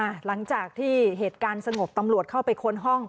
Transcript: หลังจากที่เหตุการณ์สงบตำรวจเข้าไปค้นห้อง